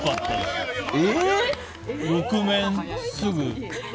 ６面、すぐ。